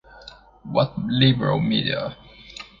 What Liberal Media?